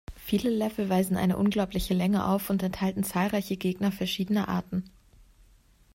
Viele Level weisen eine unglaubliche Länge auf und enthalten zahlreiche Gegner verschiedener Arten.